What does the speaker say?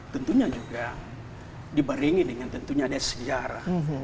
tentunya juga dibaringin dengan tentunya ada sejarah